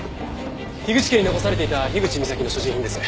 口家に残されていた口みさきの所持品です。